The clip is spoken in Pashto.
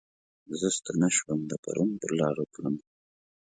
زه ستنه شوم د پرون پرلارو تلمه